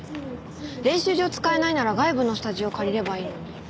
練習場使えないなら外部のスタジオ借りればいいのに。